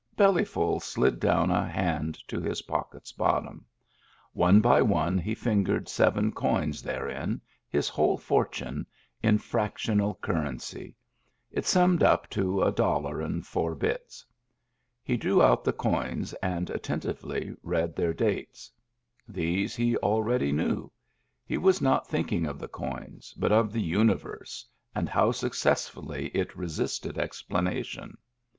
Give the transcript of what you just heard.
Bellyful slid down a hand to his pocket's bottom. One by one he fingered seven coins therein, his whole fortune, in fractional currency — it summed up to a dollar and four bits. He drew out the coins and attentively read their dates. These he already knew. He was not thinking of the coins, but of the Universe, and how successfully it resisted explanation.